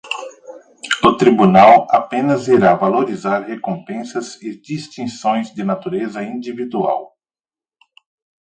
O Tribunal apenas irá valorizar recompensas e distinções de natureza individual.